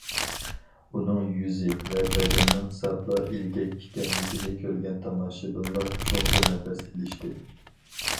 ئۇنىڭ يۈزى ۋە بەدىنىنىڭ ساپلا ئىلگەك ئىكەنلىكىنى كۆرگەن تاماشىبىنلار چوڭقۇر نەپەس ئېلىشتى.